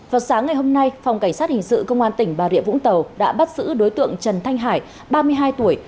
vào sáng ngày hôm nay phòng cảnh sát hình sự công an tỉnh bà rịa vũng tàu đã bắt giữ đối tượng trần thanh hải ba mươi hai tuổi